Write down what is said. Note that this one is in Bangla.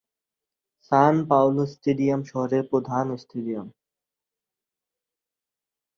সান পাওলো স্টেডিয়াম শহরের প্রধান স্টেডিয়াম।